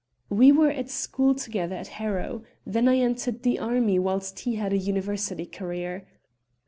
"We were at school together at Harrow. Then I entered the Army whilst he had a University career.